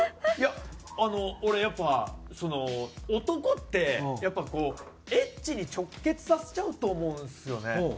いやあの俺やっぱ男ってやっぱこうエッチに直結させちゃうと思うんですよね。